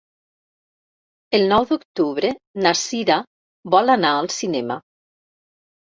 El nou d'octubre na Sira vol anar al cinema.